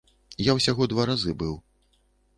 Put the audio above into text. Я ўсяго два разы быў.